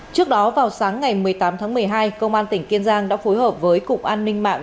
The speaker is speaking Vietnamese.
trước đó vào sáng ngày một mươi tám tháng một mươi hai công an tỉnh kiên giang đã phối hợp với cục an ninh mạng